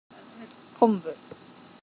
昆布